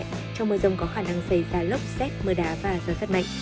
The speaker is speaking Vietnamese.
trong mưa rông có khả năng xảy ra lốc xét mưa đá và gió rất mạnh